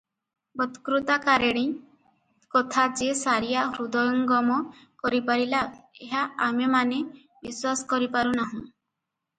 ବତ୍କୃତାକାରିଣୀ କଥା ଯେ ସାରିଆ ହୃଦୟଙ୍ଗମ କରିପାରିଲା, ଏହା ଆମେମାନେ ବିଶ୍ୱାସ କରିପାରୁ ନାହୁଁ ।